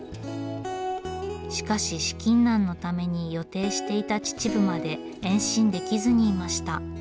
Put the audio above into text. しかし資金難のために予定していた秩父まで延伸できずにいました。